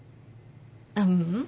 あっううん。